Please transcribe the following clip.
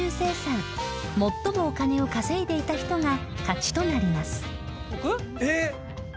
［最もお金を稼いでいた人が勝ちとなります］